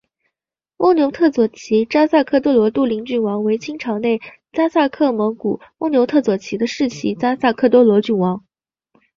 翁牛特左旗扎萨克多罗杜棱郡王为清朝内扎萨克蒙古翁牛特左旗的世袭扎萨克多罗郡王。